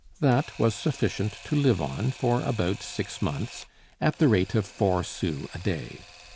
That was sufficient to live on for about six months, at the rate of four sous a day.